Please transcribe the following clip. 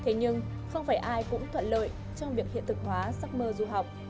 thế nhưng không phải ai cũng thuận lợi trong việc hiện thực hóa giấc mơ du học